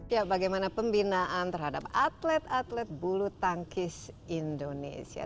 ya bagaimana pembinaan terhadap atlet atlet bulu tangkis indonesia